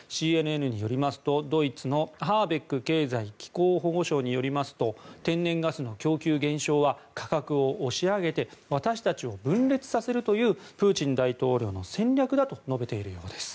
ＣＮＮによりますと、ドイツのハーベック経済・気候保護相によりますと天然ガスの供給減少は価格を押し上げて私たちを分裂させるというプーチン大統領の戦略だと述べているそうです。